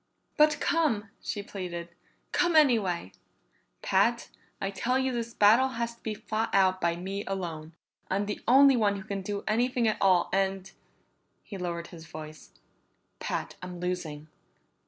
"But come," she pleaded. "Come anyway!" "Pat, I tell you this battle has to be fought out by me alone. I'm the only one who can do anything at all and," he lowered his voice, "Pat, I'm losing!"